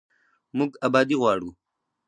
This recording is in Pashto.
موږ ابادي غواړو